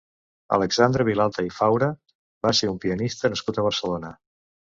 Alexandre Vilalta i Faura va ser un pianista nascut a Barcelona.